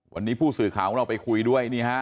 วันนี้ผู้สื่อข่าวของเราไปคุยด้วยนี่ฮะ